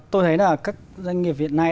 tôi thấy các doanh nghiệp hiện nay